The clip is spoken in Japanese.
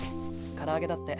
唐揚げだって。